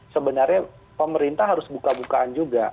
sebenarnya pemerintah harus buka bukaan juga